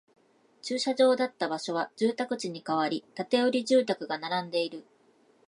駐車場だった場所は住宅地に変わり、建売住宅が並んでいる